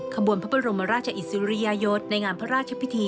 ขบวนพระบรมราชอิสริยยศในงานพระราชพิธี